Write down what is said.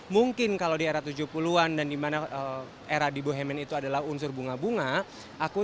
mungkin kalau di era tujuh puluh an dan dimana era di bohemen itu adalah unsur bunga bunga aku